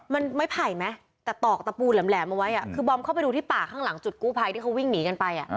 มันไม้ไผ่ไหมแต่ตอกตะปูแหลมเอาไว้คือบอมเข้าไปดูที่ป่าข้างหลังจุดกู้ภัยที่เขาวิ่งหนีกันไป